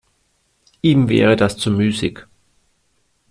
Ihm wäre das zu müßig.